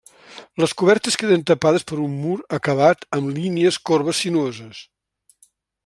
Les cobertes queden tapades per un mur acabat amb línies corbes sinuoses.